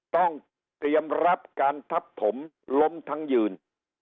ต้องเตรียมรับการทับถมล้มทั้งยืน